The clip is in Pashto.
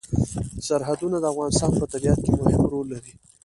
سرحدونه د افغانستان په طبیعت کې مهم رول لري.